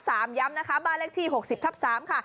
ย้ำนะคะบ้านเลขที่๖๐ทับ๓ค่ะ